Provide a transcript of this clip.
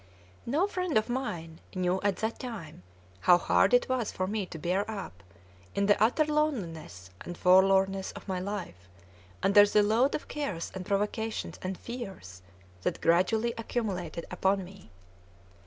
No friend of mine knew at that time how hard it was for me to bear up, in the utter loneliness and forlornness of my life, under the load of cares and provocations and fears that gradually accumulated upon me.